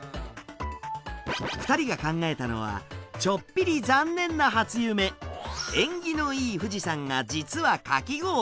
２人が考えたのはちょっぴり縁起のいい富士山が実はかき氷。